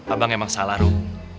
abang emang salah rum